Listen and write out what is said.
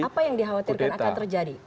apa yang dikhawatirkan akan terjadi